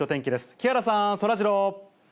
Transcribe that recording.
木原さん、そらジロー。